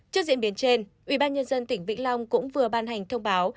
trước diễn biến trên ủy ban nhân dân tỉnh vĩnh long cũng vừa ban hành thông báo